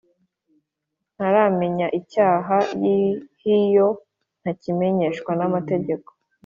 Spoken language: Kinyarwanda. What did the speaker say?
naramenye icyaha h iyo ntakimenyeshwa n Amategeko